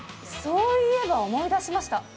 そういえば思い出しました。